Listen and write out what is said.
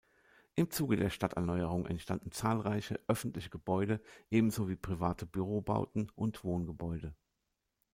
Im Zuge der Stadterneuerung entstanden zahlreiche öffentliche Gebäude ebenso wie private Bürobauten und Wohngebäude.